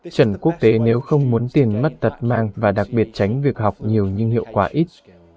trần quốc tế nếu không muốn tiền mất tật mang và đặc biệt tránh việc học nhiều nhưng hiệu quả ít